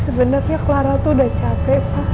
sebenarnya clara tuh udah capek pak